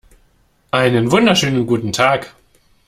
Einen wunderschönen guten Tag!